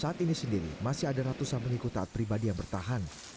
saat ini sendiri masih ada ratusan pengikut taat pribadi yang bertahan